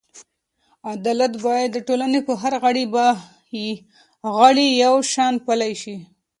عدالت باید د ټولنې په هر غړي یو شان پلی شي.